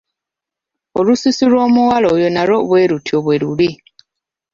Olususu lw'omuwala oyo nalwo bwe lutyo bwe luli.